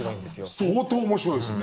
相当面白いですね。